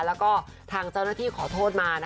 แล้วก็ทางเจ้าหน้าที่ขอโทษมา